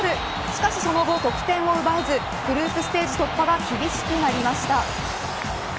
しかしその後得点を奪えずグループステージ突破が厳しくなりました。